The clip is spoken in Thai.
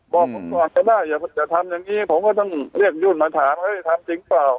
บอกก็ได้อย่าจะทำอย่างงี้ผมก็ต้องเรียกยุ่นมาถามเฮ้ยทำจริงเปล่า